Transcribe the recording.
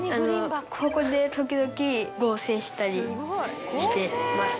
ここで時々合成したりしてます。